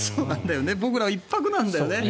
僕ら１泊なんだよね。